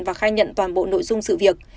và khai nhận toàn bộ nội dung sự việc